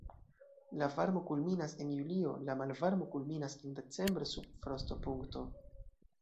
La varmo kulminas en julio, la malvarmo kulminas en decembro sub frostopunkto.